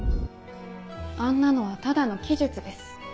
あんなのはただの奇術です。